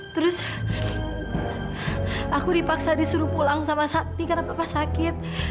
terus aku dipaksa disuruh pulang sama sakti karena papa sakit